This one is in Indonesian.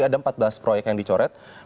ada empat belas proyek yang dicoret